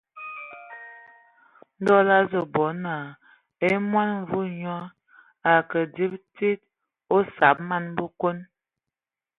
Ndɔ lə azu bɔ naa e mɔn mvua nyɔ a ke dzib tsid a osab man Bəkon.